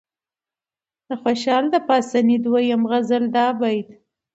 د خوشال د پاسني دويم غزل دا بيت